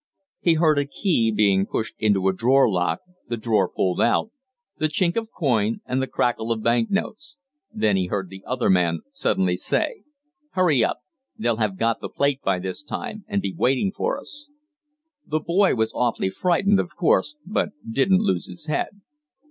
"He heard a key being pushed into a drawer lock, the drawer pulled out, the chink of coin and the crackle of bank notes. Then he heard the other man suddenly say: "'Hurry up. They'll have got the plate by this time and be waiting for us.' "The boy was awfully frightened, of course, but he didn't lose his head.